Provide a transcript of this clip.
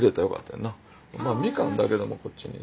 みかんだけでもこっちに。